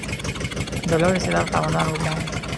• د لوړ استعداد خاوندان وګمارئ.